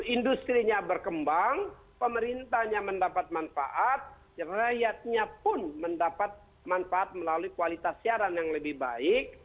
industri nya berkembang pemerintahnya mendapat manfaat rakyatnya pun mendapat manfaat melalui kualitas siaran yang lebih baik